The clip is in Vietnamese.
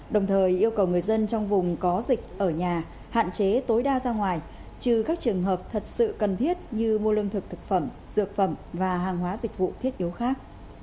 đồng thời yêu cầu người dân trong vùng có dịch ở nhà hạn chế tối đa ra ngoài trừ các trường hợp thật sự cần thiết như mua lương thực thực phẩm dược phẩm và hàng hóa dịch vụ thiết yếu khác